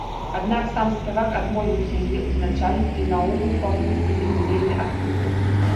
Аднак сам спявак адмовіўся яе ўзначаліць, і наогул паводзіць сябе не вельмі актыўна.